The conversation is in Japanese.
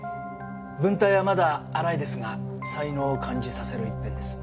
文体はまだ粗いですが才能を感じさせる一編です。